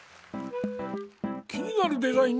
気になるデザイン